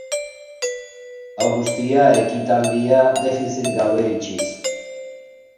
Hau guztia ekitaldia defizit gabe itxiz.